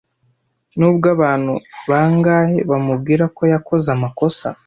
Nubwo abantu bangahe bamubwira ko yakoze amakosa